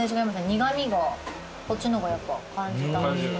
苦味がこっちの方がやっぱ感じた。